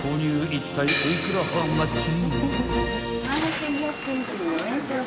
［いったいお幾らハウマッチ？］